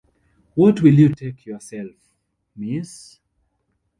What will you take yourself, miss?